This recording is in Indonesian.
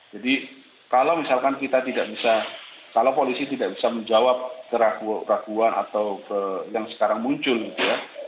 jadi kalau misalkan kita tidak bisa kalau polisi tidak bisa menjawab keraguan atau yang sekarang muncul gitu ya